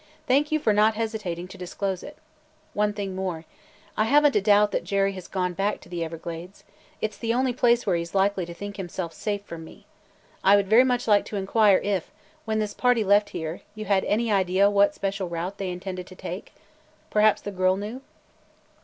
Thank you for not hesitating to disclose it. One thing more. I have n't a doubt that Jerry has gone back to the Everglades. It 's the only place where he 's likely to think himself safe from me. I would very much like to inquire if, when this party left here, you had any idea what special route they intended to take? Perhaps the girl knew?"